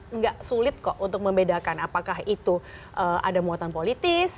enggak sulit kok untuk membedakan apakah itu ada muatan politis